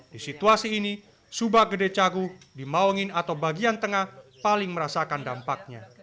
di situasi ini subak gede cagu di maungin atau bagian tengah paling merasakan dampaknya